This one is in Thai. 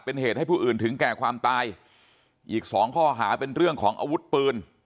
เป็นเหตุให้ผู้อื่นถึงแก่ความตายอีกสองข้อหาเป็นเรื่องของอาวุธปืน